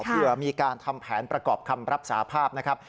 เผื่อมีการทำแผนประกอบคำรับสาภาพนะครับ